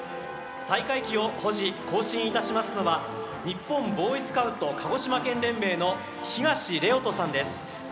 大会旗を保持行進いたしますのは日本ボーイスカウト鹿児島県連盟の東怜央斗さんです。